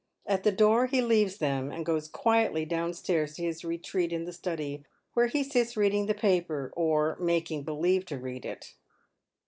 At the door he leaves them, and goes quietly downstairs to his retreat in the study, where he sits reading the paper — or making believe to read it.